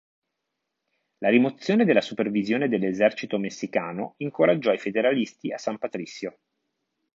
La rimozione della supervisione dell'esercito messicano incoraggiò i federalisti a San Patricio.